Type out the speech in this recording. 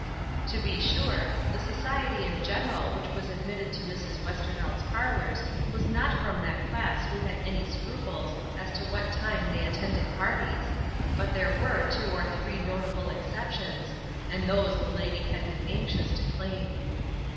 To be sure, the society in general which was admitted to Mrs. Westervelt's parlors was not from that class who had any scruples as to what time they attended parties, but there were two or three notable exceptions, and those the lady had been anxious to claim.